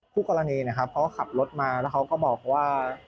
ผู้กรณีนะครับเขาก็ขับรถมาแล้วเขาก็บอกว่า